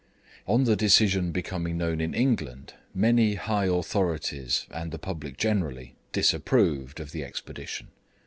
On the decision becoming known in England many high authorities, and the public generally, disapproved, of the expedition.